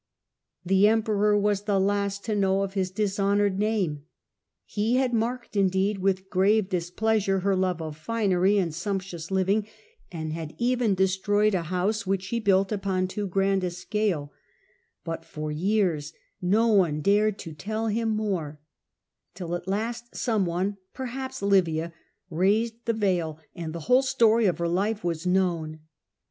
The Emperor was the last to know of his dishonoured name. He had marked, indeed, with grave displeasure her known to hci love of finery and sumptuous living, had even destroyed a house which she built upon too grand a scale ; but for years no one dared to tell him more, till at last some one, perhaps Livia, raised the veil, and the whole story of her life was known.